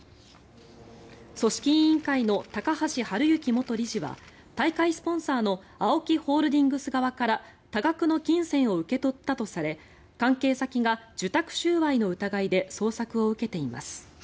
組織委員会の高橋治之元理事は大会スポンサーのＡＯＫＩホールディングス側から多額の金銭を受け取ったとされ関係先が受託収賄の疑いで捜索を受けています。